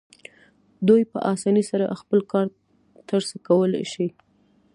دوی په اسانۍ سره خپل کار ترسره کولی شو.